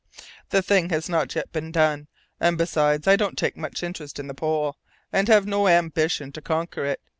"The thing has not yet been done. And, besides, I don't take much interest in the pole, and have no ambition to conquer it.